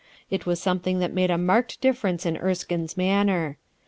It was something that made a marked difference in Erskine's manner.